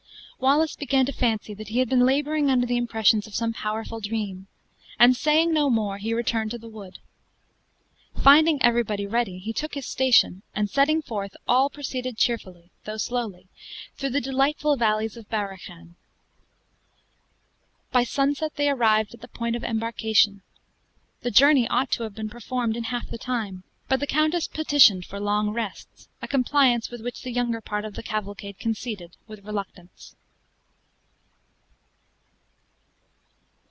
Wallace began to fancy that he had been laboring under the impressions of some powerful dream, and saying no more, he returned to the wood. Finding everybody ready, he took his station; and setting forth, all proceeded cheerfully, though slowly, through the delightful valleys of Barochan. By sunset they arrived at the point of embarkation. The journey ought to have been performed in half the time; but the countess petitioned for long rests, a compliance with which the younger part of the cavalcade conceded with reluctance.